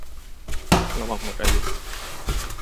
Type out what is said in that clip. ระวังหมดอายุ